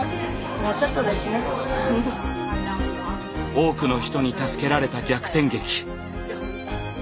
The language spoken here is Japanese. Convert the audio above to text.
多くの人に助けられた逆転劇。